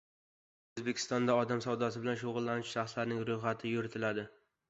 O‘zbekistonda odam savdosi bilan shug‘ullanuvchi shaxslarning ro‘yxati yuritiladi